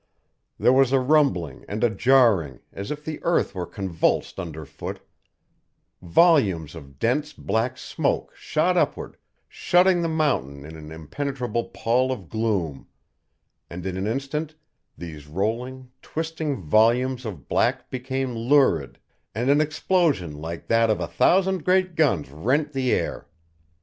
There was a rumbling and a jarring, as if the earth were convulsed under foot; volumes of dense black smoke shot upward, shutting the mountain in an impenetrable pall of gloom; and in an instant these rolling, twisting volumes of black became lurid, and an explosion like that of a thousand great guns rent the air.